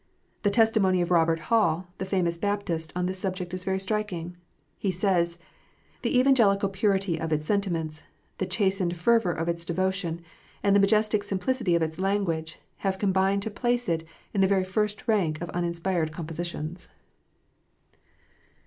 The testimony of Kobert Hall, the famous Baptist, on this subject is very striking. He says, " The evangelical purity of its sentiments, the chastened fervour of its devotion, and the majestic simplicity of its language, have combined to place it in the very first rank of uninspired compositions."